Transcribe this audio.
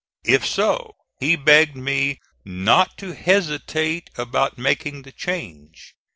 If so, he begged me not to hesitate about making the change.